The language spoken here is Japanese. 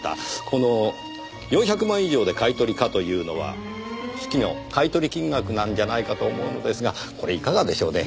この「４００万以上で買い取り可」というのは手記の買い取り金額なんじゃないかと思うのですがこれいかがでしょうね？